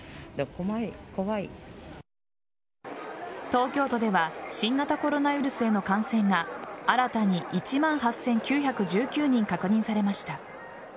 東京都では新型コロナウイルスへの感染が新たに１万８９１９人確認されました。